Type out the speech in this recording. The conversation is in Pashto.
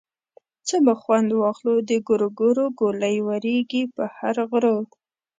څه به خوند واخلو د ګورګورو ګولۍ ورېږي په هر غرو.